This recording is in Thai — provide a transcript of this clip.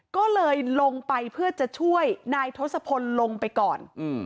ก็เลยลงไปเพื่อจะช่วยนายทศพลลงไปก่อน